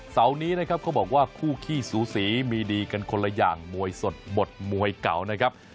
เสาร์นี้นะครับเขาบอกว่าคู่ขี้สูสีมีดีกันคนละอย่างมวยสดบทมวยเก่านะครับ